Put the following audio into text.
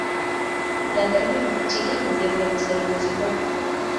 La termino "cigana" devenas de la mezepoko.